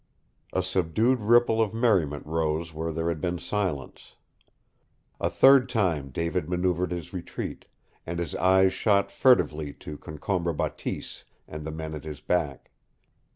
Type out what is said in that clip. A subdued ripple of merriment rose where there had been silence. A third time David maneuvered his retreat, and his eyes shot furtively to Concombre Bateese and the men at his back.